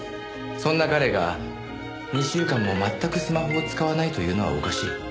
そんな彼が２週間もまったくスマホを使わないというのはおかしい。